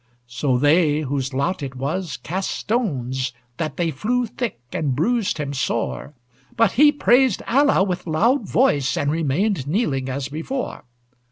So they, whose lot it was, cast stones, That they flew thick and bruised him sore, But he praised Allah with loud voice, And remained kneeling as before.